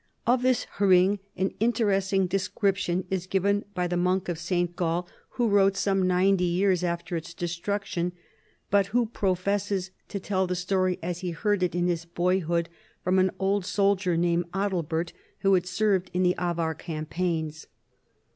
Of this Ilring an interest ing description is given by the monk of St. Gall,* who wrote some ninety years after its destruction but who professes to tell the story as he hear<l it in his boyhood from an old soldier named Adalbert, who had served in the Avar campaigns.